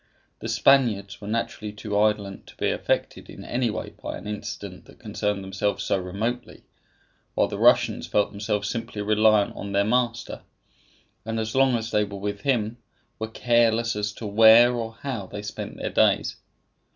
The Spaniards were naturally too indolent to be affected in any way by an incident that concerned themselves so remotely; while the Russians felt themselves simply reliant on their master, and as long as they were with him were careless as to where or how they spent their days.